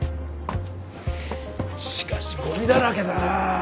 しかしゴミだらけだなあ。